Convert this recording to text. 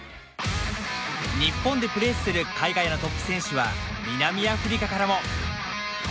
日本でプレーする海外のトップ選手は南アフリカからも。